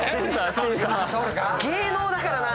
芸能だからな。